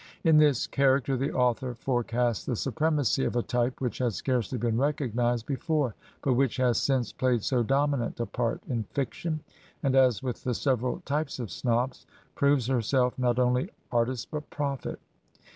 In this character, the author forecasts the supremacy of a type which had scarcely been recog nized before, but which has since played so dominant a part in fiction, and as with the several types of snobs, proves herself not only artist but prophet.